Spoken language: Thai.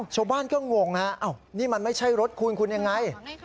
ชาวบ้านก็งงฮะนี่มันไม่ใช่รถคุณคุณยังไง